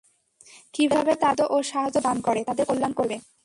কিভাবে তাদের খাদ্য ও সাহায্য দান করে, তাদের কল্যাণ করবে?